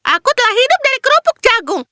aku telah hidup dari kerupuk jagung